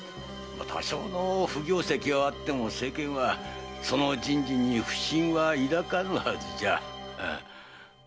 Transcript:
多少の不行跡はあっても世間はその人事に不審は抱かぬはずじゃ。